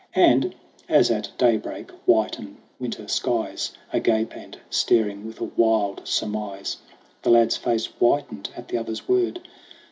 And as at daybreak whiten winter skies, Agape and staring with a wild surmise The lad's face whitened at the other's word.